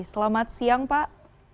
selamat siang pak